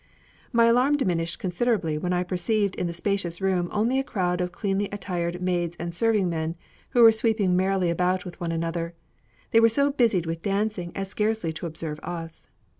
My alarm diminished considerably when I perceived in the spacious room only a crowd of cleanly attired maids and serving men, who were sweeping merrily about with one another. They were so busied with dancing as scarcely to observe us.